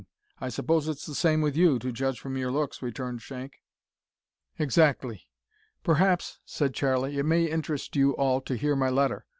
I suppose it's the same with you, to judge from your looks," returned Shank. "Exactly. Perhaps," said Charlie, "it may interest you all to hear my letter.